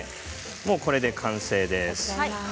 これで完成です。